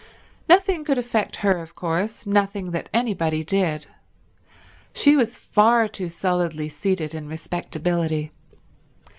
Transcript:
Nothing could affect her, of course; nothing that anybody did. She was far too solidly seated in respectability.